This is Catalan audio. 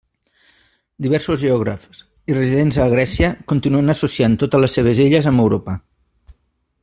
Diversos geògrafs i residents a Grècia continuen associant totes les seves illes amb Europa.